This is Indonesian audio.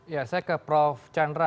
ya saya ke prof chandra